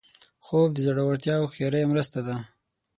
خوب د زړورتیا او هوښیارۍ مرسته ده